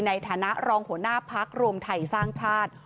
ในฐานะรองหัวหน้าพักรวมไทยสร้างชาติ